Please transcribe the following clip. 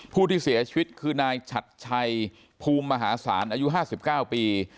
ผู้ที่เสียชีวิตคือนายฉัดชัยภูมิมหาศาลอายุ๕๙ปี